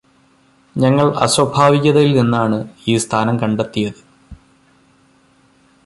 ഞങ്ങൾ അസ്വഭാവികതയിൽ നിന്നാണ് ഈ സ്ഥാനം കണ്ടെത്തിയത്